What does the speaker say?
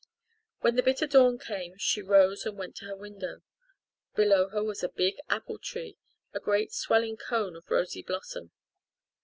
When the bitter dawn came she rose and went to her window. Below her was a big apple tree, a great swelling cone of rosy blossom.